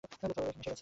ওরা এখানে এসে গেছে।